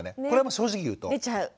これはもう正直言うと。